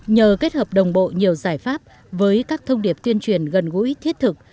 nhờ kết hợp đồng bộ nhiều giải pháp với các thông điệp tuyên truyền gần gũi thiết thực